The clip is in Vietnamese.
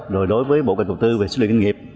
rồi đối với bộ kinh tục tư về sự luyện nghiệp